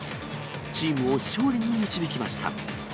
チームを勝利に導きました。